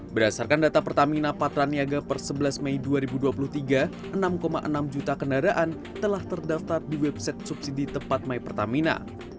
berdasarkan data pertamina patraniaga per sebelas mei dua ribu dua puluh tiga enam juta kendaraan telah terdaftar di website subsidi tepat my pertamina